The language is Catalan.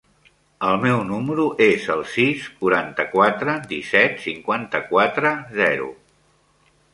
El meu número es el sis, quaranta-quatre, disset, cinquanta-quatre, zero.